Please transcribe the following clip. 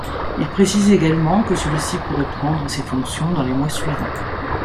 Il précise également que celui-ci pourrait prendre ses fonctions dans les mois suivants.